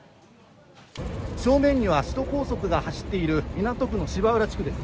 正面には首都高速が走っている港区の芝浦地区です。